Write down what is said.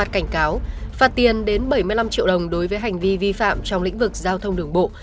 cảnh cáo phạt tiền đến bảy mươi năm triệu đồng đối với hành vi vi phạm trong lĩnh vực giao thông đường bộ